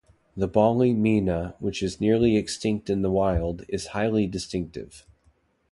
The Bali myna which is nearly extinct in the wild is highly distinctive.